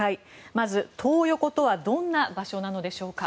まず、トー横とはどんな場所なのでしょうか。